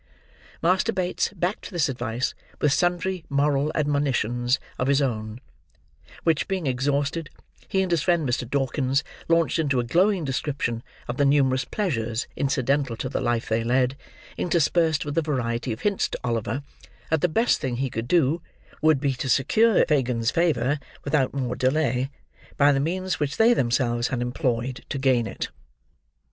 Master Bates backed this advice with sundry moral admonitions of his own: which, being exhausted, he and his friend Mr. Dawkins launched into a glowing description of the numerous pleasures incidental to the life they led, interspersed with a variety of hints to Oliver that the best thing he could do, would be to secure Fagin's favour without more delay, by the means which they themselves had employed to gain it.